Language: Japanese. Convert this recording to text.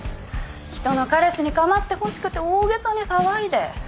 人の彼氏にかまってほしくて大げさに騒いで。